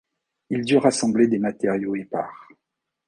Il dut rassembler des matériaux épars.